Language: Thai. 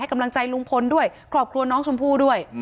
กำลังใจลุงพลด้วยครอบครัวน้องชมพู่ด้วย